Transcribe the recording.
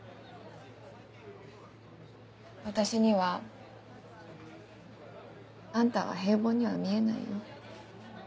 私にはあんたは平凡には見えないよ。